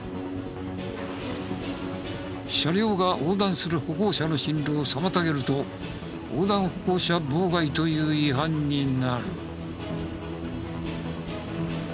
車両が横断する歩行者の進路を妨げると横断歩行者妨害という違反になる。